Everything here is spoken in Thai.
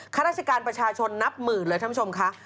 ข้าราชการประชาชนนับหมื่นเลยท่านผู้ชมค่ะ